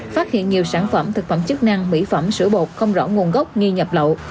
phát hiện nhiều sản phẩm thực phẩm chức năng mỹ phẩm sữa bột không rõ nguồn gốc nghi nhập lậu